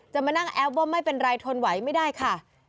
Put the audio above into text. มานั่งแอปว่าไม่เป็นไรทนไหวไม่ได้ค่ะ